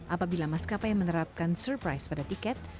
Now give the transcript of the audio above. apabila mas kapai menerapkan surprise pada tiket